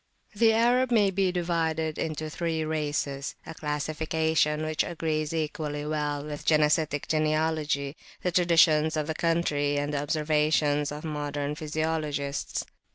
THE Arab may be divided into three racesa classification which agrees equally well with genesitic genealogy, the traditions of the country, and the observations of modern physiologists.